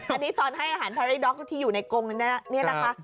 อันนี้ตอนให้อาหารพาริด็อกที่อยู่ในกงนี่นะคะ